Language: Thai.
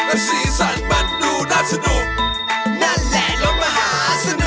มันไม่ใช่รถตุกตุกมันรถมหาสนุก